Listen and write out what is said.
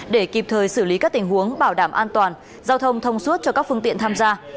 để kịp thời xử lý các tình huống bảo đảm an toàn giao thông thông suốt cho các phương tiện tham gia